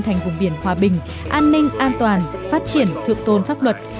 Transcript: thành vùng biển hòa bình an ninh an toàn phát triển thượng tôn pháp luật